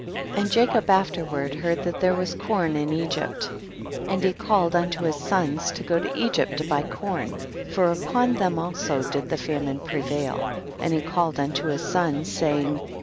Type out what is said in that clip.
And Jacob afterward heard that there was corn in Egypt, and he cal led unto his sons to go to Egypt to buy corn, for upon them also did the famine prevail, and he called unto his sons, saying, 2.